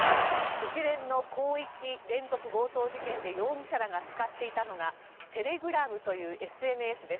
一連の広域連続強盗事件で容疑者らが使っていたのがテレグラムというＳＮＳです。